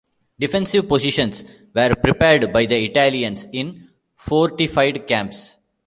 Defensive positions were prepared by the Italians in fortified camps.